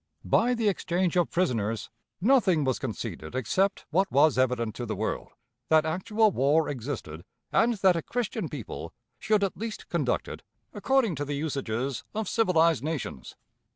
By the exchange of prisoners, nothing was conceded except what was evident to the world that actual war existed, and that a Christian people should at least conduct it according to the usages of civilized nations.